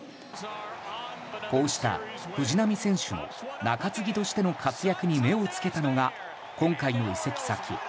こうした藤浪選手の中継ぎとしての活躍に目を付けたのが今回の移籍先